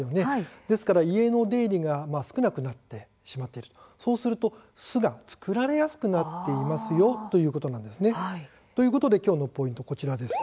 ですから家の出入りが少なくなってしまっている、そうすると巣が作られやすくなっていますよということなんです。ということできょうのポイントはこちらです。